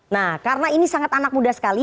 nah karena ini sangat anak muda sekali